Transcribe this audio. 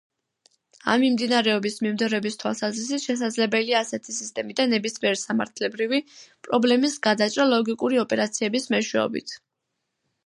ამ მიმდინარეობის მიმდევრების თავალსაზრისით შესაძლებელია ასეთი სისტემიდან ნებისმიერი სამართლებრივი პრობლემის გადაჭრა ლოგიკური ოპერაციების მეშვეობით.